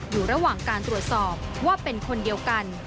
อยู่ระหว่างการตรวจสอบว่าเป็นคนเดียวกัน